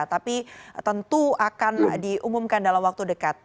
tapi tentu akan diumumkan dalam waktu dekat